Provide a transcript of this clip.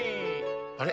あれ？